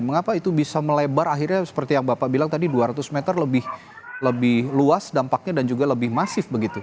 mengapa itu bisa melebar akhirnya seperti yang bapak bilang tadi dua ratus meter lebih luas dampaknya dan juga lebih masif begitu